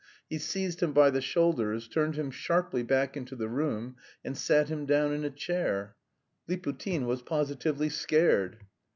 He seized him by the shoulders, turned him sharply back into the room, and sat him down in a chair. Liputin was positively scared.